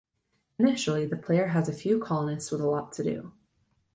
Initially the player has a few colonists with a lot to do.